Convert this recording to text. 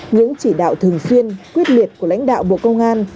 những chỉ đạo thường xuyên quyết liệt của lãnh đạo bộ công an